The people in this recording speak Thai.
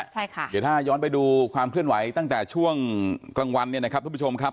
เดี๋ยวถ้าย้อนไปดูความเคลื่อนไหวตั้งแต่ช่วงกลางวันเนี่ยนะครับทุกผู้ชมครับ